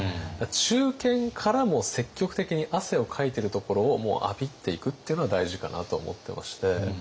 中堅からも積極的に汗をかいてるところをもうアピっていくっていうのが大事かなと思ってまして。